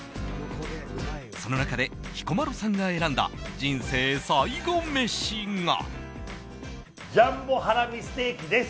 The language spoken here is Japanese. その中で彦摩呂さんが選んだ人生最後メシが。